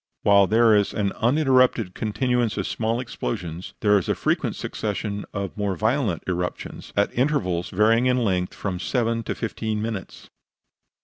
While there is an uninterrupted continuance of small explosions, there is a frequent succession of more violent eruptions, at intervals varying in length from seven to fifteen minutes.